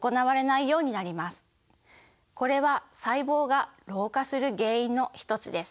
これは細胞が老化する原因の一つです。